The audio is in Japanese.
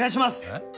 えっ？